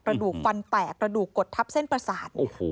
กระดูกฟันแตกกระดูกกดทับเส้นประสาท